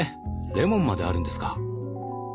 レモンまであるんですか。